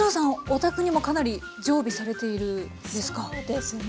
お宅にもかなり常備されているんですか？